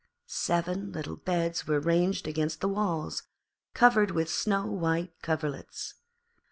Seven little beds were ranged against the walls, covered with snow white coverlets.